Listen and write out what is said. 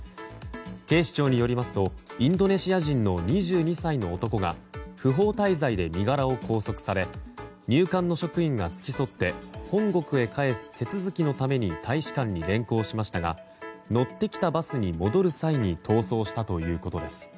警視庁によりますとインドネシア人の２２歳の男が不法滞在で身柄を拘束され入管の職員が付き添って本国へ帰す手続きのために大使館に連行しましたが乗ってきたバスに戻る際に逃走したということです。